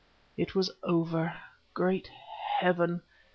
It was over! Great Heaven!